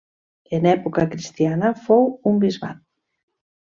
En època cristiana fou un bisbat.